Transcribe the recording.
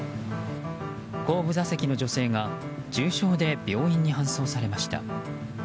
後部座席の女性が重傷で病院に搬送されました。